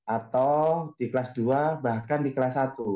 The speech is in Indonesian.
atau di kelas dua bahkan di kelas satu